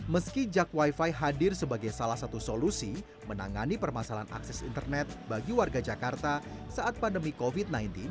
meski jak wifi hadir sebagai salah satu solusi menangani permasalahan akses internet bagi warga jakarta saat pandemi covid sembilan belas